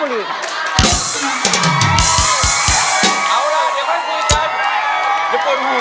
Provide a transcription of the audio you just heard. เพื่อจะไปชิงรางวัลเงินล้าน